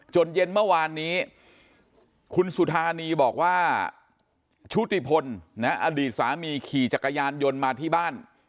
เย็นเมื่อวานนี้คุณสุธานีบอกว่าชุติพลอดีตสามีขี่จักรยานยนต์มาที่บ้าน